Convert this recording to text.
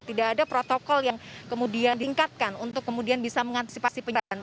tidak ada protokol yang kemudian ditingkatkan untuk kemudian bisa mengantisipasi penyebaran